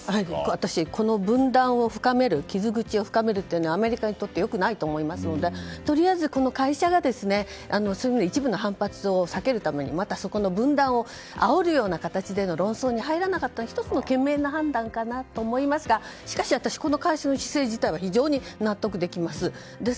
私、この分断を深める傷口を深めるというのはアメリカにとって良くないと思いますのでとりあえずこの会社がすぐに一部の反発を避けるためにまたそこの分断をあおるような形での論争に入らなかった１つの賢明な判断かと思いますがしかし私はこの会社の姿勢自体は非常に納得できます。